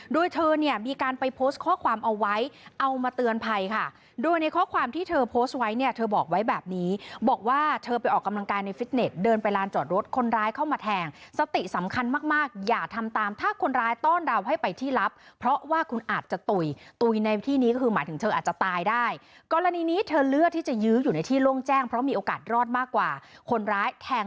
โดยเธอเนี่ยมีการไปโพสต์ข้อความเอาไว้เอามาเตือนภัยค่ะโดยในข้อความที่เธอโพสต์ไว้เนี่ยเธอบอกไว้แบบนี้บอกว่าเธอไปออกกำลังกายในฟิตเนตเดินไปร้านจอดรถคนร้ายเข้ามาแทงสติสำคัญมากอย่าทำตามถ้าคนร้ายต้อนราวให้ไปที่ลับเพราะว่าคุณอาจจะตุ๋ยตุ๋ยในที่นี้คือหมายถึงเธออาจจะตาย